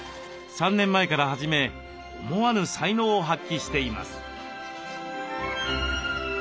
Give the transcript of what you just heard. ３年前から始め思わぬ才能を発揮しています。